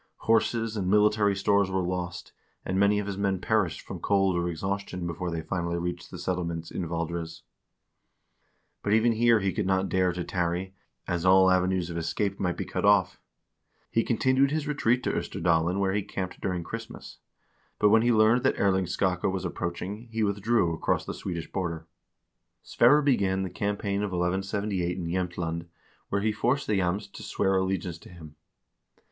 Horses and military stores were lost, and many of his men perished from cold or exhaustion before they finally reached the settle ments in Valdres. Even here he did not dare to tarry, as all av enues of escape might be cut off. He continued his retreat to 0sterdalen, where he camped during Christmas; but when he learned that Erling Skakke was approaching, he withdrew across the Swedish border. 380 HISTORY OF THE NORWEGIAN PEOPLE Sverre began the campaign of 1178 in Jsemtland, where he forced the Jamts to swear allegiance to him.